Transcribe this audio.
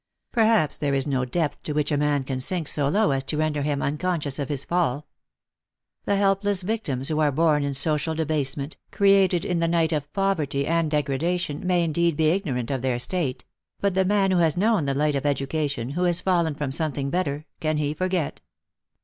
Perhaps there is no depth to which a man can sink so low as to render him unconscious of his fall. The helpless victims who are born in social debasement, created in the night of poverty and degradation, may indeed be ignorant of their state; but the man who has known the light of education, who has fallen frov' something better, can he forget